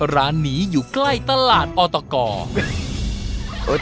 ร้านนี้อยู่ใกล้ตลาดออตก